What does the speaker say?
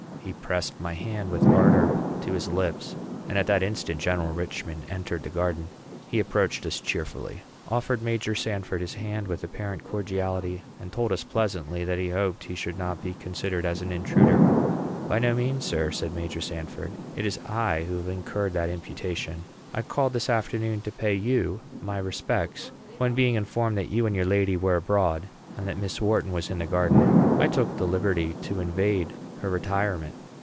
He pressed my hand with ardor to his lips; and at that instant General Richman entered the garden. He approached us cheerfully, offered Major Sanford his hand with apparent cordiality, and told us pleasantly that he hoped he should not be considered as an intruder. "By no means, sir," said Major Sanford; "it is I who have incurred that imputation. I called this afternoon to pay you my respects, when, being informed that you and your lady were abroad, and that Miss Wharton was in the garden, I took the liberty to invade her retirement.